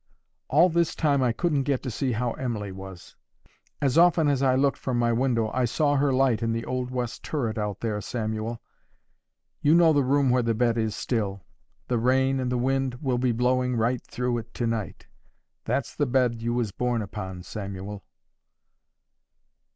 All this time I couldn't get to see how Emily was. As often as I looked from my window, I saw her light in the old west turret out there, Samuel. You know the room where the bed is still. The rain and the wind will be blowing right through it to night. That's the bed you was born upon, Samuel.